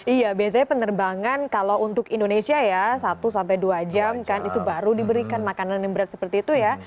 iya biasanya penerbangan kalau untuk indonesia ya satu sampai dua jam kan itu baru diberikan makanan yang berat seperti itu ya